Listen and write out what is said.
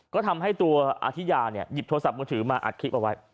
ก็ทำให้ตัวอธิยาเนี่ยหยิบโทรศัพท์มือถือมาอัดคลิปเอาไว้